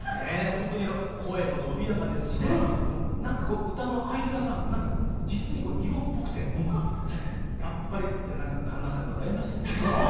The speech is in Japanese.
本当に声も伸びやかですし、歌の間が実に色っぽくて旦那さんが羨ましいですね。